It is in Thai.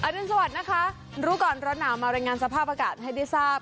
รุนสวัสดิ์นะคะรู้ก่อนร้อนหนาวมารายงานสภาพอากาศให้ได้ทราบ